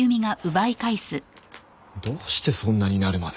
どうしてそんなになるまで？